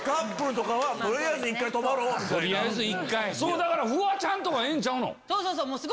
だからフワちゃんとかええんちゃう？